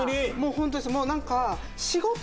ホントです何か。